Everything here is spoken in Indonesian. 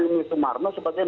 ibu rini sumarno sebagai